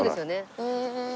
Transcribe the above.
へえ。